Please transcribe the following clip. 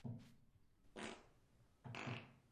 A trophy wife is usually a second or later marriage.